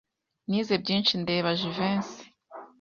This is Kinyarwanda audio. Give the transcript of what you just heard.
Nize byinshi ndeba Jivency.